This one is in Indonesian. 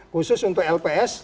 khusus untuk lps